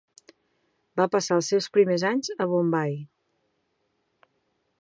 Va passar els seus primers anys a Bombai.